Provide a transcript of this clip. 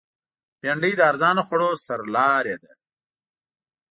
بېنډۍ د ارزانه خوړو سرلاری ده